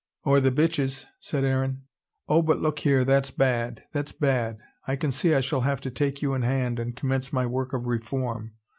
"Or the bitches," said Aaron. "Oh, but look here, that's bad! That's bad! I can see I shall have to take you in hand, and commence my work of reform.